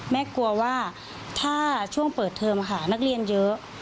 กลัวว่าถ้าช่วงเปิดเทอมค่ะนักเรียนเยอะ